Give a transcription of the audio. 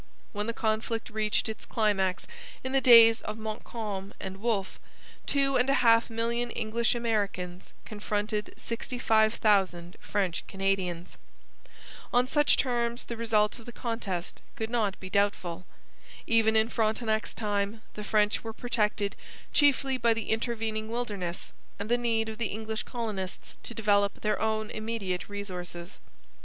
When the conflict reached its climax in the days of Montcalm and Wolfe, two and a half million English Americans confronted sixty five thousand French Canadians. On such terms the result of the contest could not be doubtful. Even in Frontenac's time the French were protected chiefly by the intervening wilderness and the need of the English colonists to develop their own immediate resources.